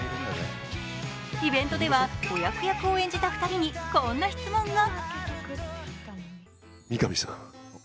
イベントでは親子役を演じた２人にこんな質問が。